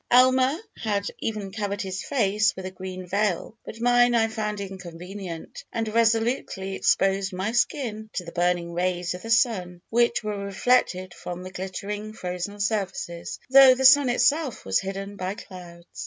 Almer had even covered his face with a green veil, but mine I found inconvenient, and resolutely exposed my skin to the burning rays of the sun, which were reflected from the glittering frozen surfaces, though the sun itself was hidden by clouds.